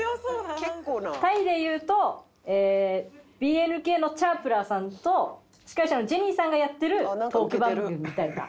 タイでいうとＢＮＫのチャープランさんと司会者のジェニーさんがやってるトーク番組みたいなものです。